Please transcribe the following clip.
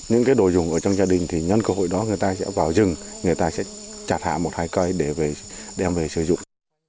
những cái đồ dùng ở trong gia đình thì nhân cơ hội đó người ta sẽ vào rừng người ta sẽ chặt hạ một hai cây để đem về sử dụng